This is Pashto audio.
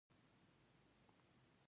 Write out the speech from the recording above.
اتلان هغه کسان وو چې له نظام سره مخالف وو.